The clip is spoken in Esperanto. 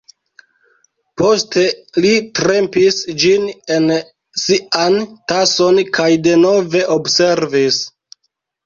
Poste li trempis ĝin en sian tason, kaj denove observis.